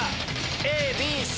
ＡＢＣ